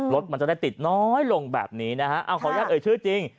รถมันจะได้ติดน้อยลงแบบนี้นะฮะเอาขออนุญาตเอ่ยชื่อจริง